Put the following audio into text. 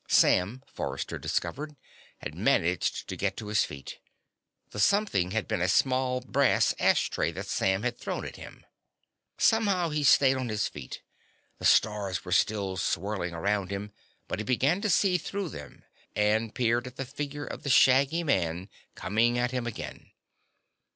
Sam, Forrester discovered, had managed to get to his feet. The something had been a small brass ashtray that Sam had thrown at him. Somehow, he stayed on his feet. The stars were still swirling around him, but he began to be able to see through them, and peered at the figure of the shaggy man, coming at him again.